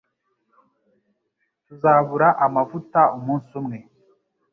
Tuzabura amavuta umunsi umwe